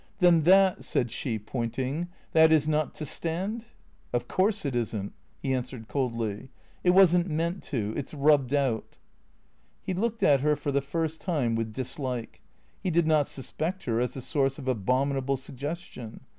'" Then that," said she, pointing, " that is not to stand ?"" Of course it is n't." He answered coldly. " It was n't meant to. It 's rubbed out." He looked at her for the first time with dislike. He did not suspect her as the source of abominable suggestion.